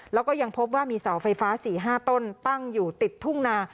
แล้วก็ยังพบว่ามีเสาไฟฟ้า๔๕ต้นตั้งอยู่ติดทุ่งนา